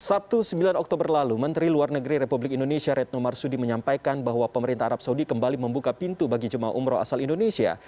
sabtu sembilan oktober lalu menteri luar negeri republik indonesia retno marsudi menyampaikan bahwa pemerintah arab saudi kembali membuka pintu bagi jemaah umroh asal indonesia